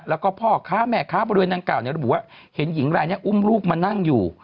แล้วก็พ่อค้าแม่ค้าบริเวณนางกล่าวระบุว่าเห็นหญิงรายนี้อุ้มลูกมานั่งอยู่